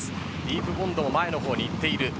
ディープボンドも前の方にいっている。